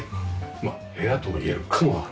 まあ部屋ともいえるかも。